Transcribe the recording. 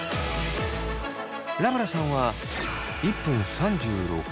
ラブラさんは１分３６秒に。